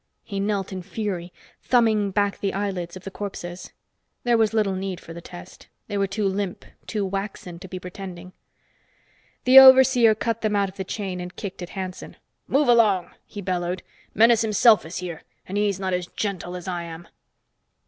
He knelt in fury, thumbing back the eyelids of the corpses. There was little need for the test. They were too limp, too waxen to be pretending. The overseer cut them out of the chain and kicked at Hanson. "Move along!" he bellowed. "Menes himself is here, and he's not as gentle as I am."